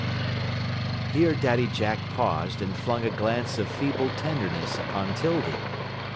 Here Daddy Jack paused and flung a glance of feeble tenderness upon 'Tildy.